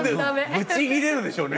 ブチ切れるでしょうね。